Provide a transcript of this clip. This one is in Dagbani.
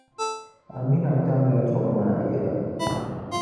Amina tamla duɣu maa yɛla.